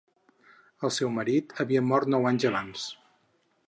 El seu marit havia mort nou anys abans.